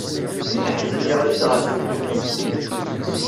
Laḥzen yeɣli-d ɣef tmurt.